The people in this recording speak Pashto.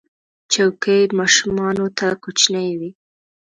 چوکۍ ماشومانو ته کوچنۍ وي.